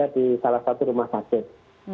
di salah satu rumah sakit